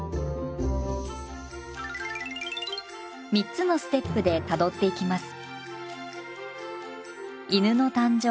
３つのステップでたどっていきます。